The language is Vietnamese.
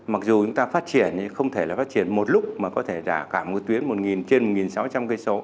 mặc dù chúng ta phát triển thì không thể là phát triển một lúc mà có thể đả cả một tuyến trên một nghìn sáu trăm linh km